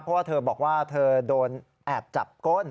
เพราะว่าเธอบอกว่าเธอโดนแอบจับก้น